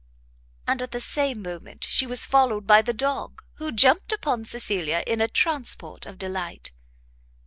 and, at the same moment, she was followed by the dog, who jumpt upon Cecilia in a transport of delight.